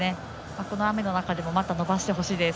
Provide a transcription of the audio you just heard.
この雨の中で伸ばしてほしいです。